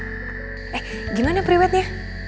eh gimana priwetnya